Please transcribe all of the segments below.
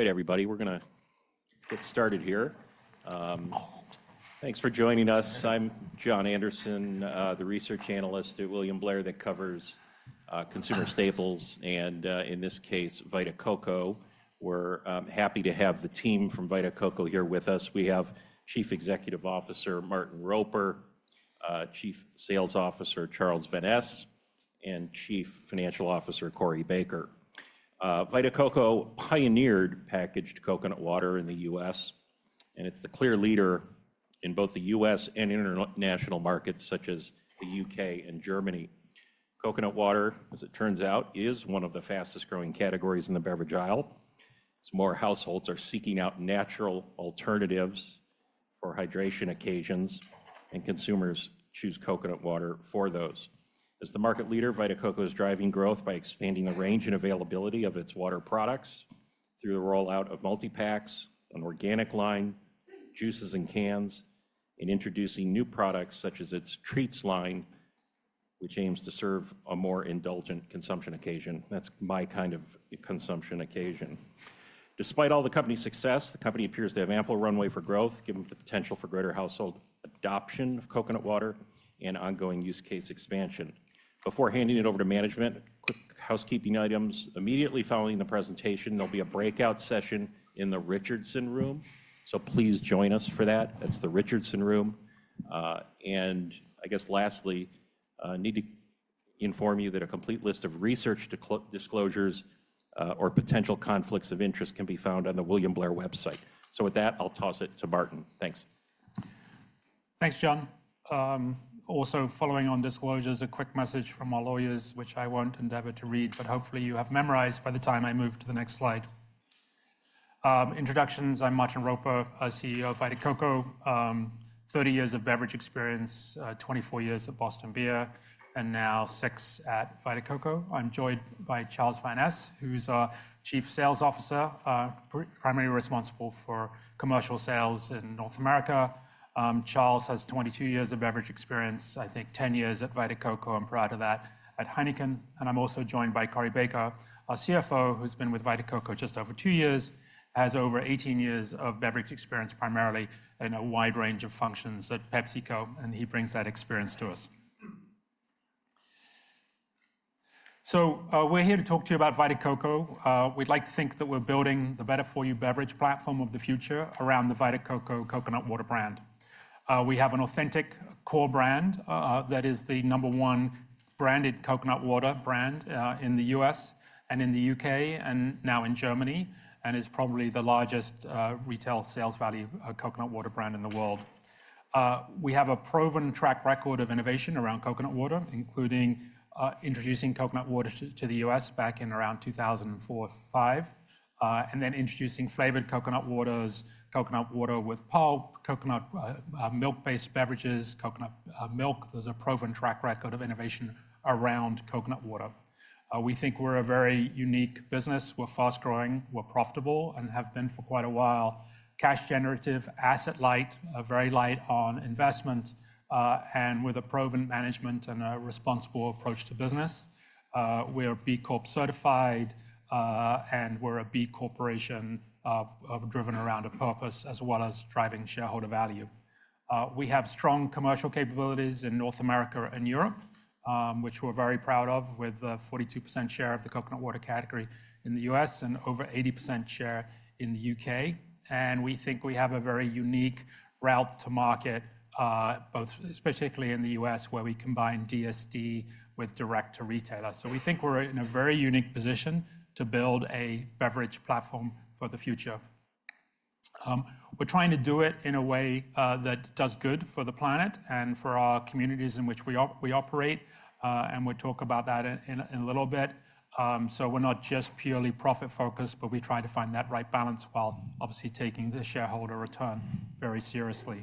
All right, everybody, we're going to get started here. Thanks for joining us. I'm John Anderson, the research analyst at William Blair that covers consumer staples, and in this case, Vita Coco. We're happy to have the team from Vita Coco here with us. We have Chief Executive Officer Martin Roper, Chief Sales Officer Charles van Es, and Chief Financial Officer Corey Baker. Vita Coco pioneered packaged coconut water in the U.S., and it's the clear leader in both the U.S. and international markets such as the U.K. and Germany. Coconut water, as it turns out, is one of the fastest-growing categories in the beverage aisle. As more households are seeking out natural alternatives for hydration occasions, consumers choose coconut water for those. As the market leader, Vita Coco is driving growth by expanding the range and availability of its water products through the rollout of multi-packs, an organic line, juices, and cans, and introducing new products such as its Treats line, which aims to serve a more indulgent consumption occasion. That's my kind of consumption occasion. Despite all the company's success, the company appears to have ample runway for growth, given the potential for greater household adoption of coconut water and ongoing use case expansion. Before handing it over to management, quick housekeeping items: immediately following the presentation, there'll be a breakout session in the Richardson Room, so please join us for that. That's the Richardson Room. Lastly, I need to inform you that a complete list of research disclosures or potential conflicts of interest can be found on the William Blair website. With that, I'll toss it to Martin. Thanks. Thanks, John. Also, following on disclosures, a quick message from our lawyers, which I won't endeavor to read, but hopefully you have memorized by the time I move to the next slide. Introductions: I'm Martin Roper, CEO of Vita Coco, 30 years of beverage experience, 24 years at Boston Beer, and now six at Vita Coco. I'm joined by Charles van Es, who's our Chief Sales Officer, primarily responsible for commercial sales in North America. Charles has 22 years of beverage experience, I think 10 years at Vita Coco, I'm proud of that, at Heineken. I'm also joined by Corey Baker, our CFO, who's been with Vita Coco just over two years, has over 18 years of beverage experience primarily in a wide range of functions at PepsiCo, and he brings that experience to us. We're here to talk to you about Vita Coco. We'd like to think that we're building the better-for-you beverage platform of the future around the Vita Coco coconut water brand. We have an authentic core brand that is the number one branded coconut water brand in the U.S. and in the U.K. and now in Germany, and is probably the largest retail sales value coconut water brand in the world. We have a proven track record of innovation around coconut water, including introducing coconut water to the U.S. back in around 2004-2005, and then introducing flavored coconut waters, coconut water with pulp, coconut milk-based beverages, coconut milk. There's a proven track record of innovation around coconut water. We think we're a very unique business. We're fast-growing, we're profitable, and have been for quite a while. Cash-generative, asset-light, very light on investment, and with a proven management and a responsible approach to business. We are B Corp certified, and we're a B corporation driven around a purpose as well as driving shareholder value. We have strong commercial capabilities in North America and Europe, which we're very proud of, with a 42% share of the coconut water category in the U.S. and over 80% share in the U.K. We think we have a very unique route to market, both particularly in the U.S., where we combine DSD with direct-to-retailer. We think we're in a very unique position to build a beverage platform for the future. We're trying to do it in a way that does good for the planet and for our communities in which we operate, and we'll talk about that in a little bit. We're not just purely profit-focused, but we try to find that right balance while obviously taking the shareholder return very seriously.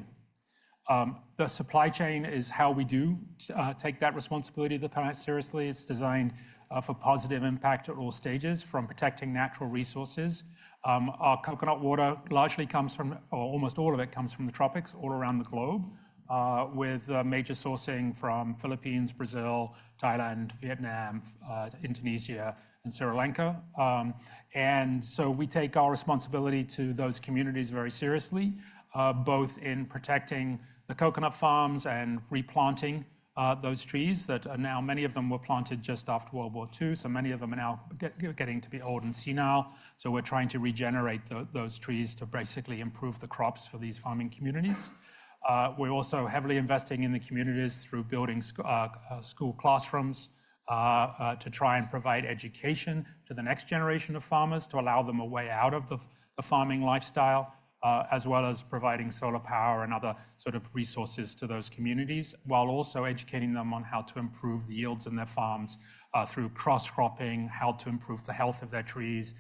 The supply chain is how we do take that responsibility of the planet seriously. It's designed for positive impact at all stages, from protecting natural resources. Our coconut water largely comes from, or almost all of it comes from the tropics all around the globe, with major sourcing from the Philippines, Brazil, Thailand, Vietnam, Indonesia, and Sri Lanka. We take our responsibility to those communities very seriously, both in protecting the coconut farms and replanting those trees that are now, many of them were planted just after World War II, so many of them are now getting to be old and senile. We're trying to regenerate those trees to basically improve the crops for these farming communities. We're also heavily investing in the communities through building school classrooms to try and provide education to the next generation of farmers to allow them a way out of the farming lifestyle, as well as providing solar power and other sort of resources to those communities, while also educating them on how to improve the yields in their farms through cross-cropping, how to improve the health of their trees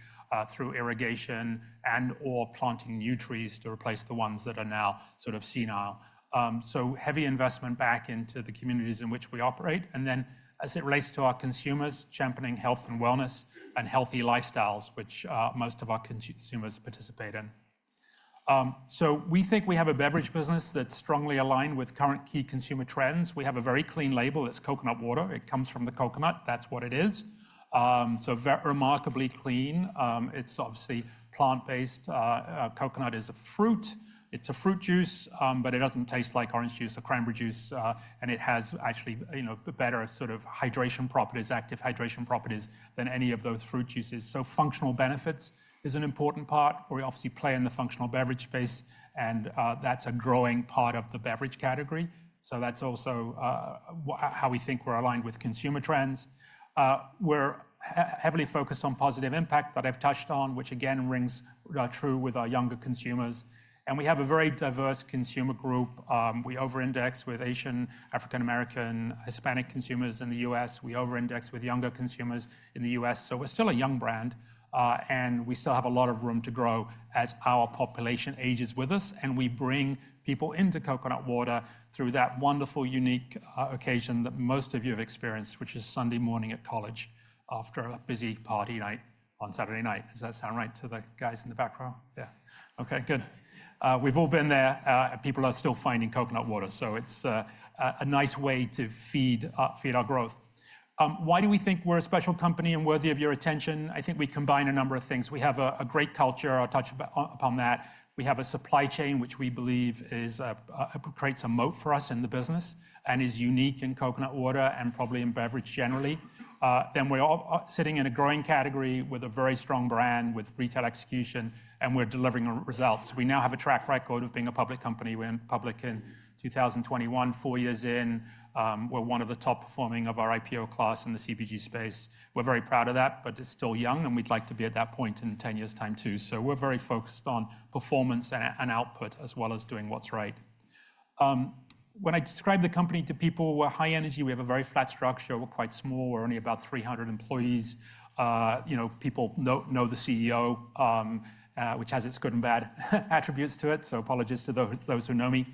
through irrigation and/or planting new trees to replace the ones that are now sort of senile. Heavy investment back into the communities in which we operate. As it relates to our consumers, championing health and wellness and healthy lifestyles, which most of our consumers participate in. We think we have a beverage business that's strongly aligned with current key consumer trends. We have a very clean label that's coconut water. It comes from the coconut. That's what it is. So remarkably clean. It's obviously plant-based. Coconut is a fruit. It's a fruit juice, but it doesn't taste like orange juice or cranberry juice, and it has actually better sort of hydration properties, active hydration properties than any of those fruit juices. Functional benefits is an important part where we obviously play in the functional beverage space, and that's a growing part of the beverage category. That's also how we think we're aligned with consumer trends. We're heavily focused on positive impact that I've touched on, which again rings true with our younger consumers. We have a very diverse consumer group. We over-index with Asian, African American, Hispanic consumers in the U.S. We over-index with younger consumers in the U.S. We're still a young brand, and we still have a lot of room to grow as our population ages with us. We bring people into coconut water through that wonderful, unique occasion that most of you have experienced, which is Sunday morning at college after a busy party night on Saturday night. Does that sound right to the guys in the background? Yeah. Okay, good. We've all been there. People are still finding coconut water. It is a nice way to feed our growth. Why do we think we're a special company and worthy of your attention? I think we combine a number of things. We have a great culture. I'll touch upon that. We have a supply chain, which we believe creates a moat for us in the business and is unique in coconut water and probably in beverage generally. We are sitting in a growing category with a very strong brand with retail execution, and we're delivering results. We now have a track record of being a public company. We went public in 2021, four years in. We're one of the top performing of our IPO class in the CBG space. We're very proud of that, but it's still young, and we'd like to be at that point in 10 years' time too. We are very focused on performance and output as well as doing what's right. When I describe the company to people, we're high energy. We have a very flat structure. We're quite small. We're only about 300 employees. People know the CEO, which has its good and bad attributes to it, so apologies to those who know me.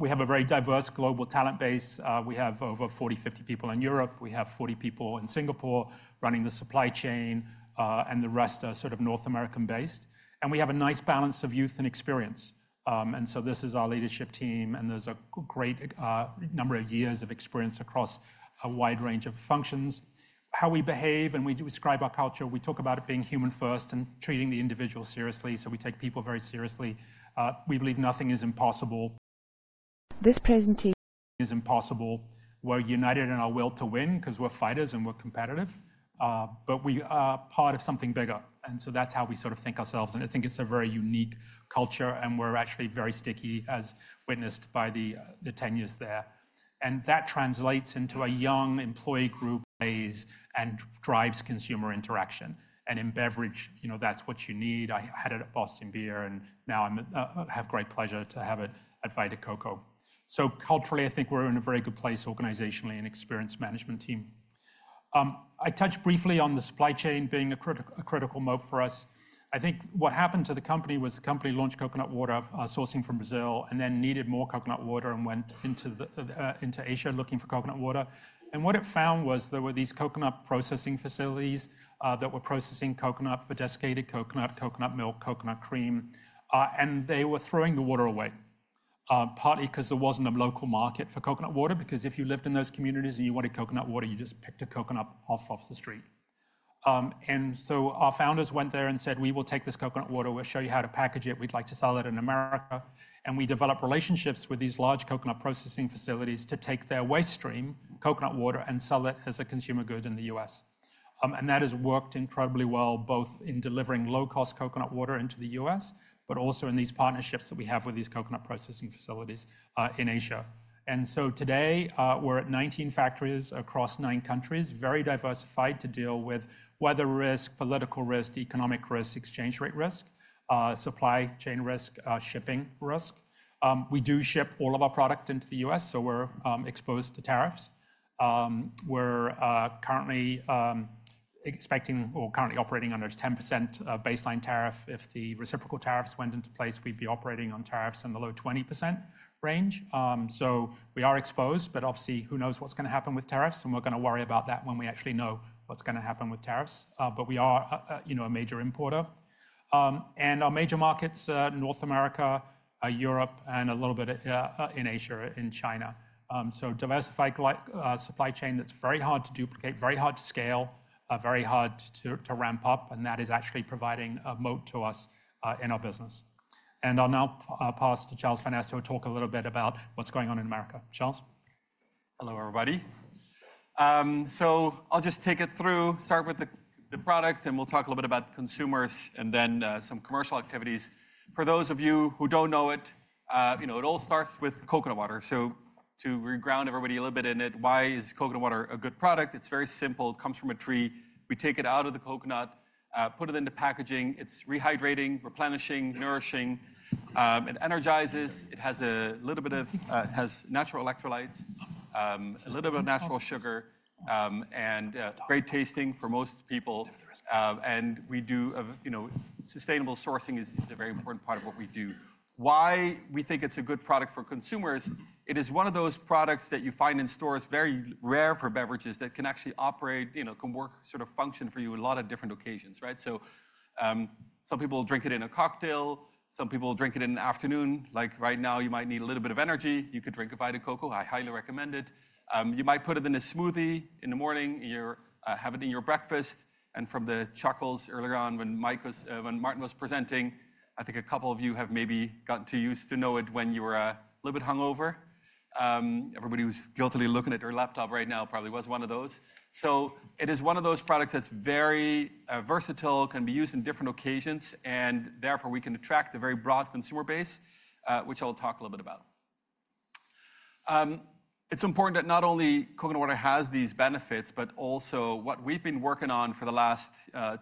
We have a very diverse global talent base. We have over 40-50 people in Europe. We have 40 people in Singapore running the supply chain, and the rest are sort of North American based. We have a nice balance of youth and experience. This is our leadership team, and there is a great number of years of experience across a wide range of functions. How we behave and we describe our culture, we talk about it being human-first and treating the individual seriously. We take people very seriously. We believe nothing is impossible. This presentation is impossible. We are united in our will to win because we are fighters and we are competitive, but we are part of something bigger. That is how we sort of think of ourselves. I think it is a very unique culture, and we are actually very sticky, as witnessed by the 10 years there. That translates into a young employee group, ways and drives consumer interaction. In beverage, you know that is what you need. I had it at Boston Beer, and now I have great pleasure to have it at Vita Coco. Culturally, I think we're in a very good place organizationally and experience management team. I touched briefly on the supply chain being a critical moat for us. I think what happened to the company was the company launched coconut water sourcing from Brazil and then needed more coconut water and went into Asia looking for coconut water. What it found was there were these coconut processing facilities that were processing coconut for desiccated coconut, coconut milk, coconut cream. They were throwing the water away, partly because there wasn't a local market for coconut water, because if you lived in those communities and you wanted coconut water, you just picked a coconut off the street. Our founders went there and said, "We will take this coconut water. We'll show you how to package it. We'd like to sell it in America." We developed relationships with these large coconut processing facilities to take their waste stream, coconut water, and sell it as a consumer good in the U.S. That has worked incredibly well, both in delivering low-cost coconut water into the U.S., but also in these partnerships that we have with these coconut processing facilities in Asia. Today, we're at 19 factories across nine countries, very diversified to deal with weather risk, political risk, economic risk, exchange rate risk, supply chain risk, shipping risk. We do ship all of our product into the U.S., so we're exposed to tariffs. We're currently expecting or currently operating under a 10% baseline tariff. If the reciprocal tariffs went into place, we'd be operating on tariffs in the low 20% range. We are exposed, but obviously, who knows what's going to happen with tariffs, and we're going to worry about that when we actually know what's going to happen with tariffs. We are a major importer. Our major markets are North America, Europe, and a little bit in Asia, in China. Diversified supply chain that's very hard to duplicate, very hard to scale, very hard to ramp up, and that is actually providing a moat to us in our business. I'll now pass to Charles van Es to talk a little bit about what's going on in America. Charles? Hello, everybody. I'll just take it through, start with the product, and we'll talk a little bit about consumers and then some commercial activities. For those of you who don't know it, it all starts with coconut water. To re-ground everybody a little bit in it, why is coconut water a good product? It's very simple. It comes from a tree. We take it out of the coconut, put it into packaging. It's rehydrating, replenishing, nourishing. It energizes. It has a little bit of natural electrolytes, a little bit of natural sugar, and great tasting for most people. Sustainable sourcing is a very important part of what we do. Why we think it's a good product for consumers? It is one of those products that you find in stores, very rare for beverages, that can actually operate, can work, sort of function for you in a lot of different occasions, right? Some people drink it in a cocktail. Some people drink it in the afternoon. Like right now, you might need a little bit of energy. You could drink a Vita Coco. I highly recommend it. You might put it in a smoothie in the morning. You have it in your breakfast. From the chuckles earlier on when Martin was presenting, I think a couple of you have maybe gotten too used to know it when you were a little bit hungover. Everybody who's guiltily looking at their laptop right now probably was one of those. It is one of those products that's very versatile, can be used in different occasions, and therefore we can attract a very broad consumer base, which I'll talk a little bit about. It's important that not only coconut water has these benefits, but also what we've been working on for the last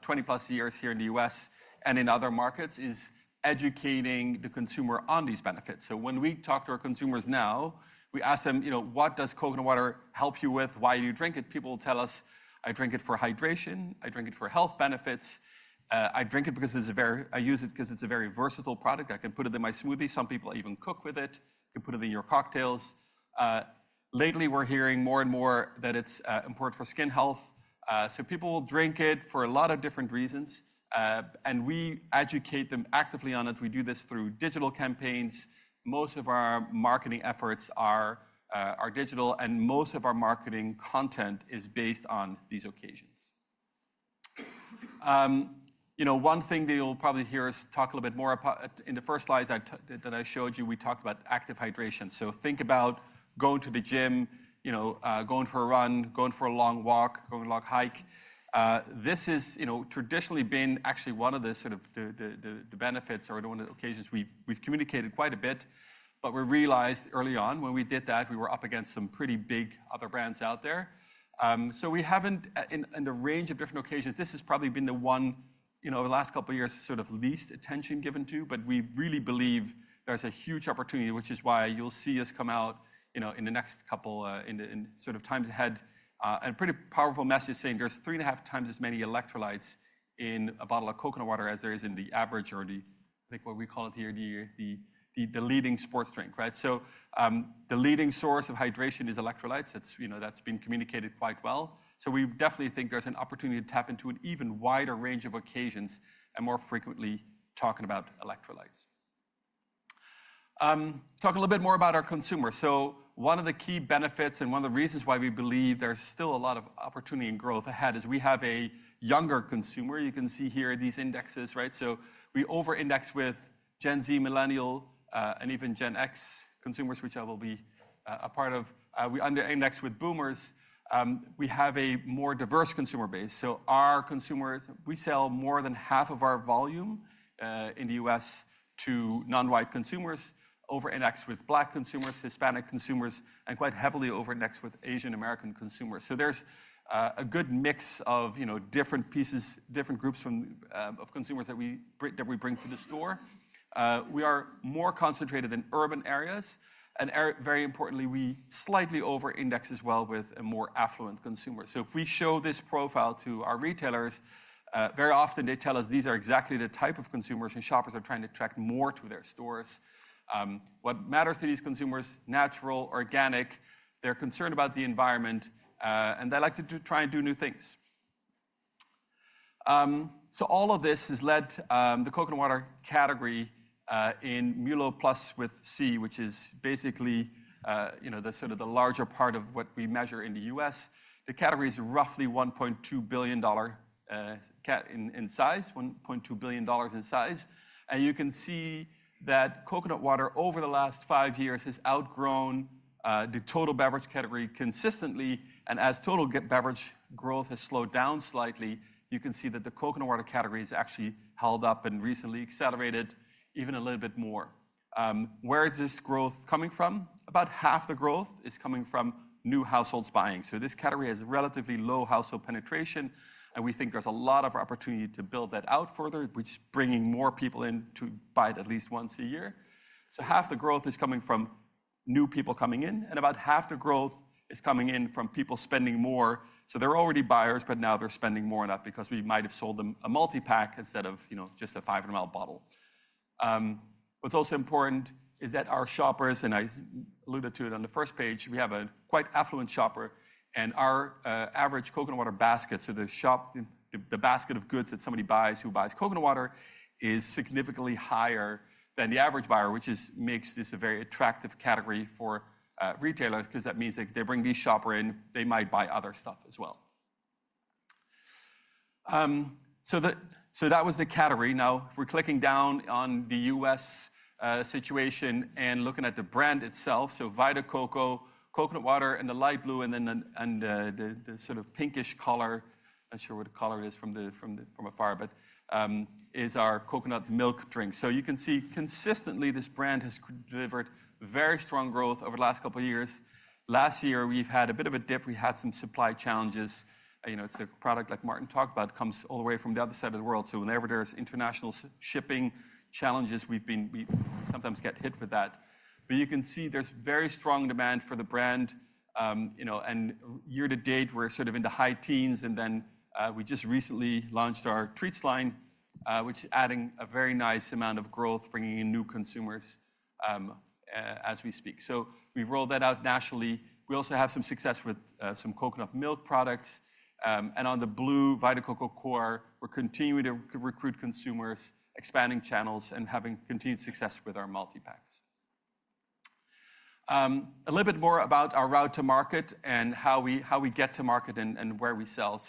20 plus years here in the U.S. and in other markets is educating the consumer on these benefits. When we talk to our consumers now, we ask them, "What does coconut water help you with? Why do you drink it?" People will tell us, "I drink it for hydration. I drink it for health benefits. I drink it because it's a very, I use it because it's a very versatile product. I can put it in my smoothie. Some people even cook with it. You can put it in your cocktails. Lately, we're hearing more and more that it's important for skin health. People will drink it for a lot of different reasons. We educate them actively on it. We do this through digital campaigns. Most of our marketing efforts are digital, and most of our marketing content is based on these occasions. One thing that you'll probably hear us talk a little bit more about in the first slides that I showed you, we talked about active hydration. Think about going to the gym, going for a run, going for a long walk, going on a long hike. This has traditionally been actually one of the sort of the benefits or one of the occasions we've communicated quite a bit, but we realized early on when we did that, we were up against some pretty big other brands out there. We haven't, in the range of different occasions, this has probably been the one over the last couple of years that has had the least attention given to it, but we really believe there's a huge opportunity, which is why you'll see us come out in the next couple of times ahead with a pretty powerful message saying there's 3.5x as many electrolytes in a bottle of coconut water as there is in the average or the, I think what we call it here, the leading sports drink, right? The leading source of hydration is electrolytes. That's been communicated quite well. We definitely think there's an opportunity to tap into an even wider range of occasions and more frequently talk about electrolytes. Talk a little bit more about our consumers. One of the key benefits and one of the reasons why we believe there's still a lot of opportunity and growth ahead is we have a younger consumer. You can see here these indexes, right? We over-index with Gen Z, millennial, and even Gen X consumers, which I will be a part of. We under-index with boomers. We have a more diverse consumer base. Our consumers, we sell more than half of our volume in the U.S. to non-white consumers, over-index with Black consumers, Hispanic consumers, and quite heavily over-index with Asian American consumers. There's a good mix of different pieces, different groups of consumers that we bring to the store. We are more concentrated in urban areas. Very importantly, we slightly over-index as well with a more affluent consumer. If we show this profile to our retailers, very often they tell us these are exactly the type of consumers and shoppers they are trying to attract more to their stores. What matters to these consumers? Natural, organic. They are concerned about the environment, and they like to try and do new things. All of this has led the coconut water category in MULO Plus with C, which is basically the larger part of what we measure in the U.S. The category is roughly $1.2 billion in size, $1.2 billion in size. You can see that coconut water over the last five years has outgrown the total beverage category consistently. As total beverage growth has slowed down slightly, you can see that the coconut water category has actually held up and recently accelerated even a little bit more. Where is this growth coming from? About half the growth is coming from new households buying. This category has relatively low household penetration, and we think there's a lot of opportunity to build that out further, which is bringing more people in to buy it at least once a year. Half the growth is coming from new people coming in, and about half the growth is coming in from people spending more. They're already buyers, but now they're spending more on that because we might have sold them a multi-pack instead of just a 500 mL bottle. What's also important is that our shoppers, and I alluded to it on the first page, we have a quite affluent shopper, and our average coconut water basket, so the shop, the basket of goods that somebody buys who buys coconut water is significantly higher than the average buyer, which makes this a very attractive category for retailers because that means if they bring these shoppers in, they might buy other stuff as well. That was the category. Now, if we're clicking down on the U.S. situation and looking at the brand itself, so Vita Coco, coconut water in the light blue and then the sort of pinkish color, not sure what the color is from afar, but is our coconut milk drink. You can see consistently this brand has delivered very strong growth over the last couple of years. Last year, we've had a bit of a dip. We had some supply challenges. It's a product like Martin talked about, comes all the way from the other side of the world. Whenever there's international shipping challenges, we sometimes get hit with that. You can see there's very strong demand for the brand. Year to date, we're sort of in the high teens, and then we just recently launched our treats line, which is adding a very nice amount of growth, bringing in new consumers as we speak. We rolled that out nationally. We also have some success with some coconut milk products. On the blue Vita Coco core, we're continuing to recruit consumers, expanding channels, and having continued success with our multi-packs. A little bit more about our route to market and how we get to market and where we sell.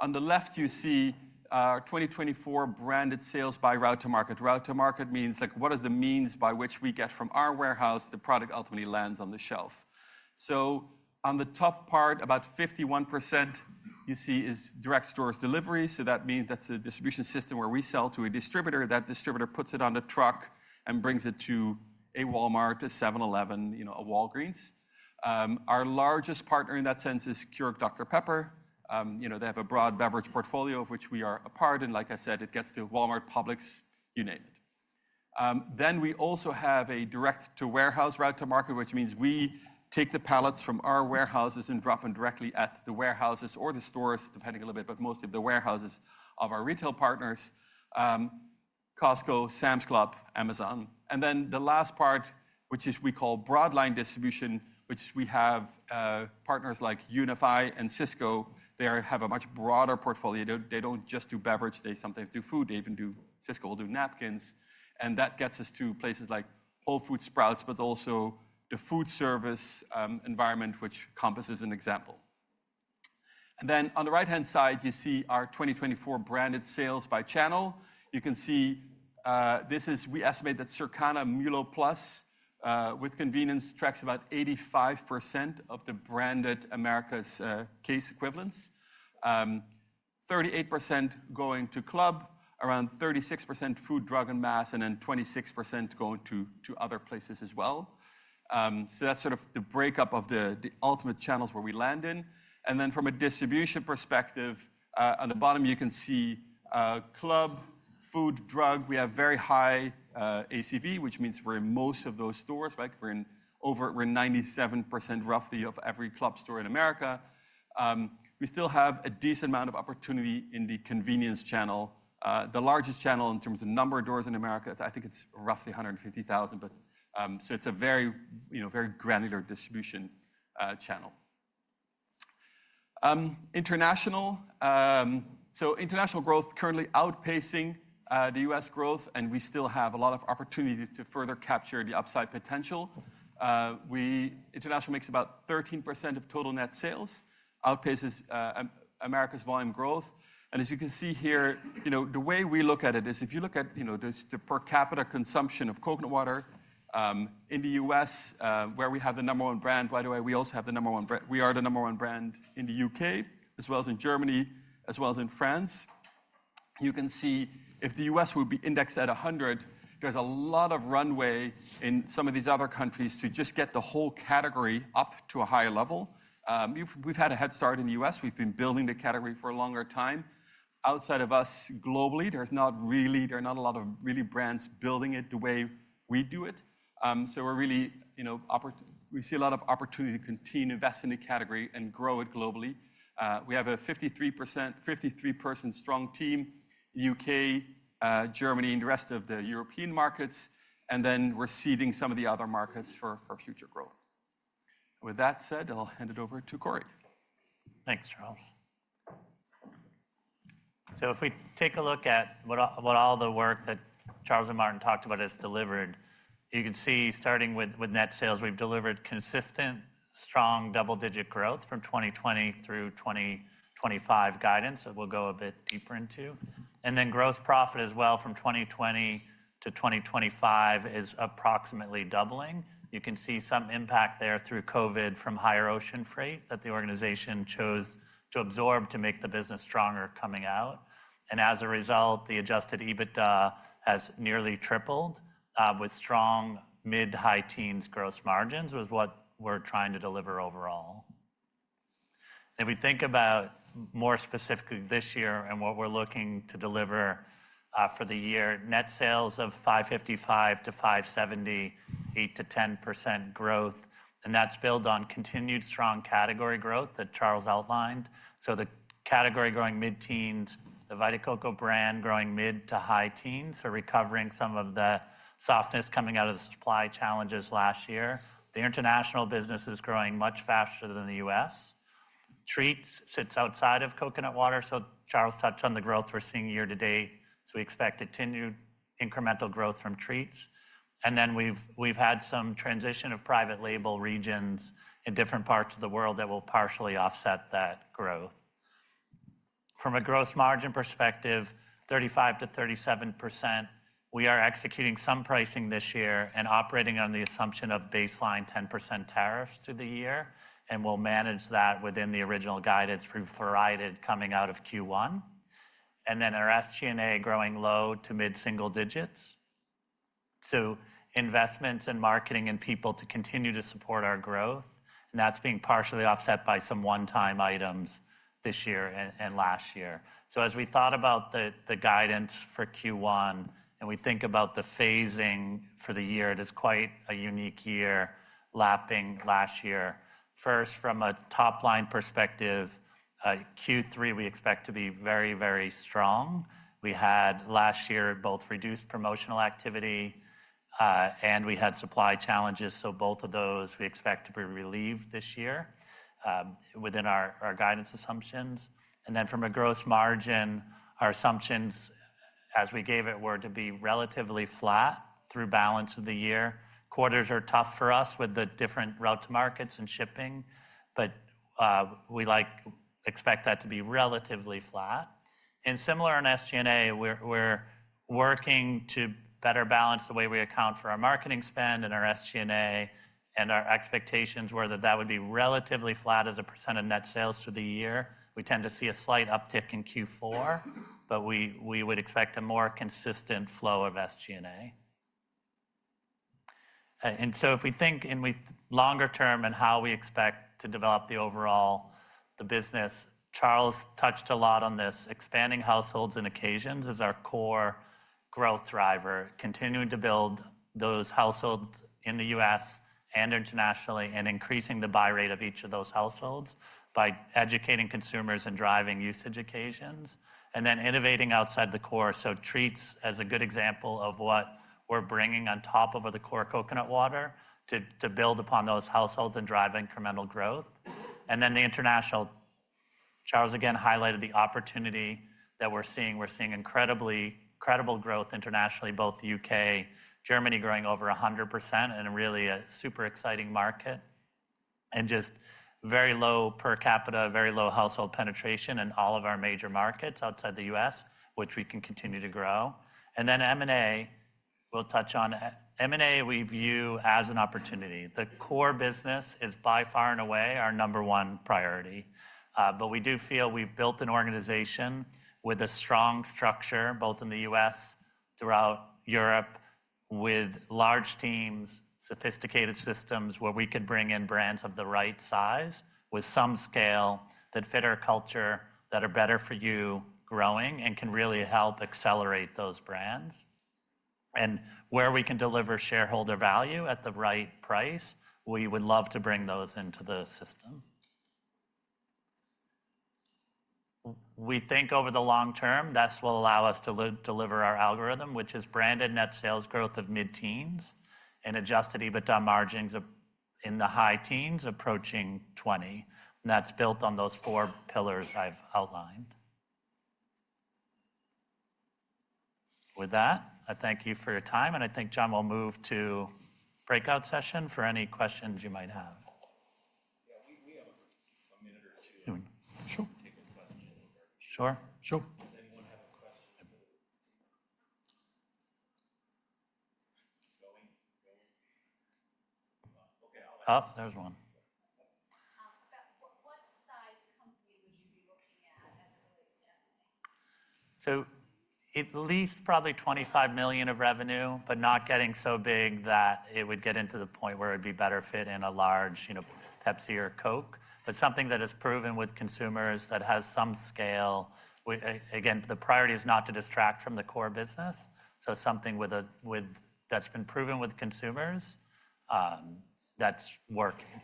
On the left, you see our 2024 branded sales by route to market. Route to market means what are the means by which we get from our warehouse, the product ultimately lands on the shelf. On the top part, about 51% you see is direct store delivery. That means that's a distribution system where we sell to a distributor. That distributor puts it on a truck and brings it to a Walmart, a 7-Eleven, a Walgreens. Our largest partner in that sense is Keurig Dr Pepper. They have a broad beverage portfolio of which we are a part. Like I said, it gets to Walmart, Publix, you name it. We also have a direct-to-warehouse route to market, which means we take the pallets from our warehouses and drop them directly at the warehouses or the stores, depending a little bit, but mostly the warehouses of our retail partners, Costco, Sam's Club, Amazon. The last part, which we call broadline distribution, we have partners like UNFI and Sysco, they have a much broader portfolio. They do not just do beverage. They sometimes do food. They even do, Sysco will do napkins. That gets us to places like Whole Foods, Sprouts, but also the food service environment, which Compass is an example. On the right-hand side, you see our 2024 branded sales by channel. You can see this is we estimate that Circana MULO Plus with convenience tracks about 85% of the branded America's case equivalents, 38% going to club, around 36% food, drug, and mass, and then 26% going to other places as well. That is sort of the breakup of the ultimate channels where we land in. From a distribution perspective, on the bottom, you can see club, food, drug. We have very high ACV, which means we're in most of those stores. We're in 97% roughly of every club store in America. We still have a decent amount of opportunity in the convenience channel. The largest channel in terms of number of doors in America, I think it's roughly 150,000, so it's a very granular distribution channel. International, international growth currently outpacing the U.S. growth, and we still have a lot of opportunity to further capture the upside potential. International makes about 13% of total net sales, outpaces America's volume growth. As you can see here, the way we look at it is if you look at the per capita consumption of coconut water in the U.S., where we have the number one brand, by the way, we also have the number one brand. We are the number one brand in the U.K., as well as in Germany, as well as in France. You can see if the U.S. would be indexed at 100, there's a lot of runway in some of these other countries to just get the whole category up to a higher level. We've had a head start in the U.S. We've been building the category for a longer time. Outside of us globally, there's not really, there are not a lot of really brands building it the way we do it. We see a lot of opportunity to continue to invest in the category and grow it globally. We have a 53-person strong team, U.K., Germany, and the rest of the European markets, and then we're seeding some of the other markets for future growth. With that said, I'll hand it over to Corey. Thanks, Charles. If we take a look at what all the work that Charles and Martin talked about has delivered, you can see starting with net sales, we've delivered consistent, strong double-digit growth from 2020 through 2025 guidance that we'll go a bit deeper into. Gross profit as well from 2020 to 2025 is approximately doubling. You can see some impact there through COVID from higher ocean freight that the organization chose to absorb to make the business stronger coming out. As a result, the adjusted EBITDA has nearly tripled with strong mid-high teens gross margins, which is what we're trying to deliver overall. If we think about more specifically this year and what we're looking to deliver for the year, net sales of $555 million-$570 million, 8%-10% growth, and that's built on continued strong category growth that Charles outlined. The category growing mid-teens, the Vita Coco brand growing mid to high teens, recovering some of the softness coming out of the supply challenges last year. The international business is growing much faster than the U.S. Treats sits outside of coconut water. Charles touched on the growth we are seeing year to date. We expect a ten-year incremental growth from treats. We have had some transition of private label regions in different parts of the world that will partially offset that growth. From a gross margin perspective, 35%-37%, we are executing some pricing this year and operating on the assumption of baseline 10% tariffs through the year, and we will manage that within the original guidance provided coming out of Q1. Our SG&A growing low to mid-single digits. Investments in marketing and people to continue to support our growth, and that's being partially offset by some one-time items this year and last year. As we thought about the guidance for Q1 and we think about the phasing for the year, it is quite a unique year lapping last year. First, from a top-line perspective, Q3 we expect to be very, very strong. We had last year both reduced promotional activity and we had supply challenges. Both of those we expect to be relieved this year within our guidance assumptions. From a gross margin, our assumptions as we gave it were to be relatively flat through balance of the year. Quarters are tough for us with the different route to markets and shipping, but we expect that to be relatively flat. Similar on SG&A, we're working to better balance the way we account for our marketing spend and our SG&A, and our expectations were that that would be relatively flat as a % of net sales through the year. We tend to see a slight uptick in Q4, but we would expect a more consistent flow of SG&A. If we think in longer term and how we expect to develop the overall business, Charles touched a lot on this. Expanding households and occasions is our core growth driver, continuing to build those households in the U.S. and internationally and increasing the buy rate of each of those households by educating consumers and driving usage occasions, and then innovating outside the core. Treats is a good example of what we're bringing on top of the core coconut water to build upon those households and drive incremental growth. The international, Charles again highlighted the opportunity that we're seeing. We're seeing incredible growth internationally, both U.K., Germany growing over 100% and really a super exciting market and just very low per capita, very low household penetration in all of our major markets outside the U.S., which we can continue to grow. M&A, we'll touch on M&A we view as an opportunity. The core business is by far and away our number one priority, but we do feel we've built an organization with a strong structure both in the U.S., throughout Europe, with large teams, sophisticated systems where we could bring in brands of the right size with some scale that fit our culture, that are better for you growing and can really help accelerate those brands. Where we can deliver shareholder value at the right price, we would love to bring those into the system. We think over the long term, that is what will allow us to deliver our algorithm, which is branded net sales growth of mid-teens and adjusted EBITDA margins in the high teens approaching 20%. That is built on those four pillars I have outlined. With that, I thank you for your time, and I think John will move to breakout session for any questions you might have. Yeah, we have a minute or two to take a question. Sure, sure. Does anyone have a question? Oh, there's one. What size company would you be looking at as it relates to M&A? At least probably $25 million of revenue, but not getting so big that it would get into the point where it'd be better fit in a large Pepsi or Coke, but something that is proven with consumers that has some scale. Again, the priority is not to distract from the core business. Something that's been proven with consumers that's working.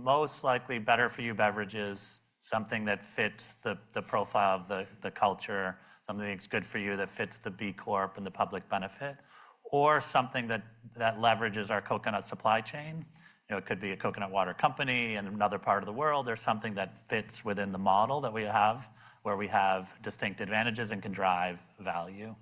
Sticking with the M&A question, what kind of beverage type are you really looking for? Are you looking for something with a unique supply chain like the existing supply chain? What are some of the criteria that meet what you're looking for? Most likely better for you beverages, something that fits the profile of the culture, something that's good for you that fits the B Corp and the public benefit, or something that leverages our coconut supply chain. It could be a coconut water company in another part of the world or something that fits within the model that we have where we have distinct advantages and can drive value.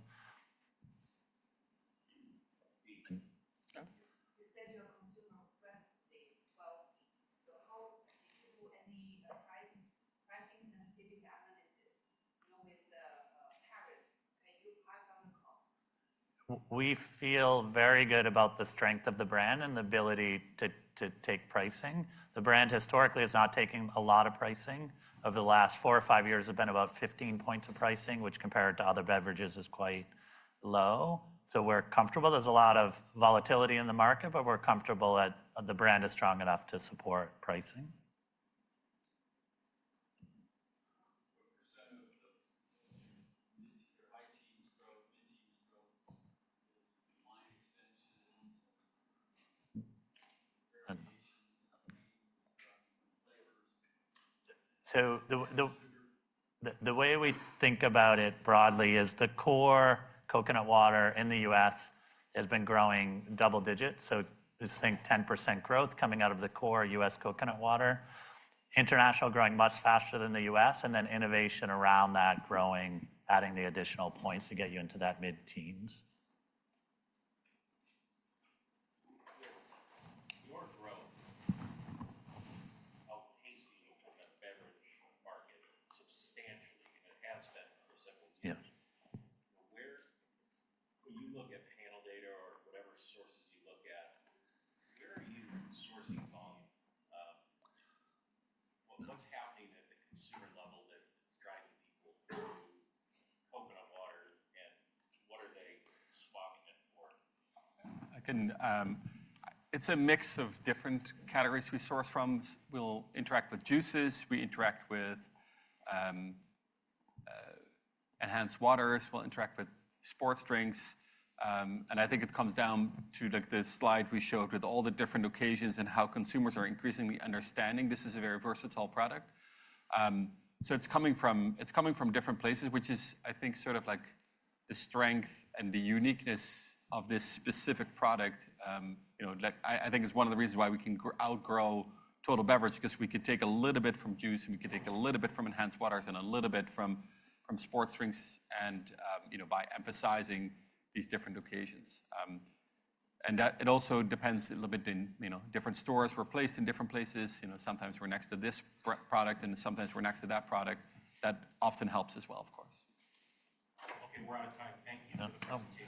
You said your consumer revenue being 12, so how do you do any pricing sensitivity analysis with the carry? Can you pass on the cost? We feel very good about the strength of the brand and the ability to take pricing. The brand historically is not taking a lot of pricing. Over the last four or five years, it's been about 15% of pricing, which compared to other beverages is quite low. We are comfortable. There's a lot of volatility in the market, but we are comfortable that the brand is strong enough to support pricing. What percent of the mid-teens growth is line extensions? The way we think about it broadly is the core coconut water in the U.S. has been growing double digits. There is 10% growth coming out of the core U.S. coconut water. International is growing much faster than the U.S., and then innovation around that is growing, adding the additional points to get you into that mid-teens. Your growth of case beverage market substantially has been for several years. When you look at panel data or whatever sources you look at, where are you sourcing volume? What's happening at the consumer level that's driving people to coconut water and what are they swapping it for? It's a mix of different categories we source from. We'll interact with juices, we interact with enhanced waters, we'll interact with sports drinks. I think it comes down to the slide we showed with all the different occasions and how consumers are increasingly understanding this is a very versatile product. It is coming from different places, which is, I think, sort of like the strength and the uniqueness of this specific product. I think it's one of the reasons why we can outgrow total beverage because we could take a little bit from juice and we could take a little bit from enhanced waters and a little bit from sports drinks by emphasizing these different occasions. It also depends a little bit in different stores. We're placed in different places. Sometimes we're next to this product and sometimes we're next to that product. That often helps as well, of course. Okay, we're out of time. Thank you. Join us on the Richardson.